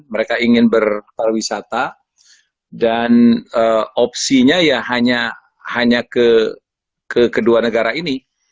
mereka ingin berparwisata dan opsinya ya hanya ke kedua negara ini